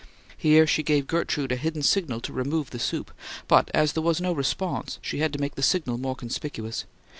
Here she gave Gertrude a hidden signal to remove the soup; but, as there was no response, she had to make the signal more conspicuous.